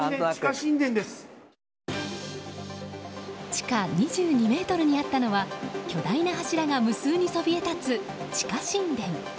地下２２ｍにあったのは巨大な柱が無数にそびえ立つ地下神殿。